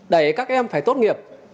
đẩy các em phải tốt nghiệp